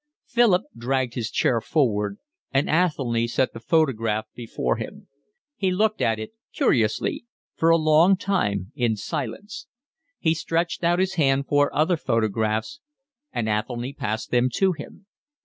Philip dragged his chair forward, and Athelny set the photograph before him. He looked at it curiously, for a long time, in silence. He stretched out his hand for other photographs, and Athelny passed them to him.